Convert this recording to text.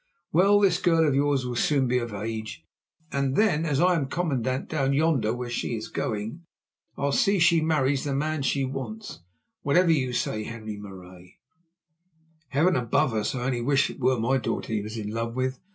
Well, this girl of yours will soon be of age, and then, as I am commandant down yonder where she is going, I'll see she marries the man she wants, whatever you say, Henri Marais. Heaven above us! I only wish it were my daughter he was in love with.